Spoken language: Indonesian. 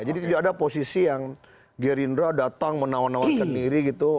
jadi tidak ada posisi yang gerindra datang menawarkan diri gitu